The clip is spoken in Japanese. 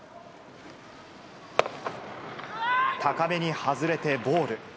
高めに外れてボール。